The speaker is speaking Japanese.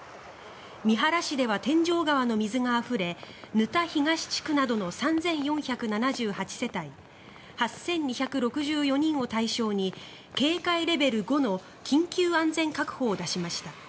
三原市では天井川の水があふれ沼田東地区などの３４７８世帯８２６４人を対象に警戒レベル５の緊急安全確保を出しました。